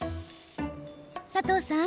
佐藤さん